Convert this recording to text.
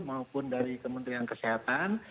maupun dari kementerian kesehatan